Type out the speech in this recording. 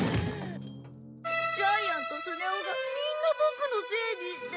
ジャイアンとスネ夫がみんなボクのせいにして。